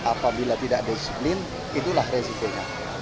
apabila tidak disiplin itulah resikonya